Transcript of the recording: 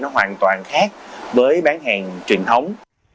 nó hoàn toàn khác với bán hàng truyền thống